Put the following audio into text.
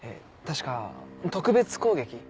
確か特別攻撃。